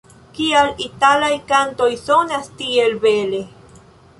Kial italaj kantoj sonas tiel bele?